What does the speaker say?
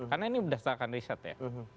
karena ini berdasarkan riset ya